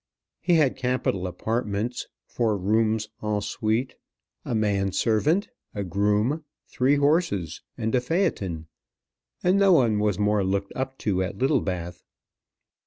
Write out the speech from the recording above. He had capital apartments, four rooms ensuite, a man servant, a groom, three horses, and a phaeton, and no one was more looked up to at Littlebath.